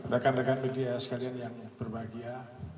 rekan rekan media sekalian yang berbahagia